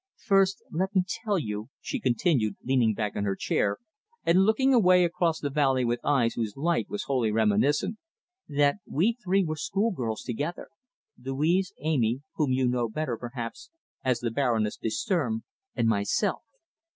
"First, then, let me tell you," she continued, leaning back in her chair, and looking away across the valley with eyes whose light was wholly reminiscent, "that we three were schoolgirls together, Louise, Amy whom you know better, perhaps, as the Baroness de Sturm and myself.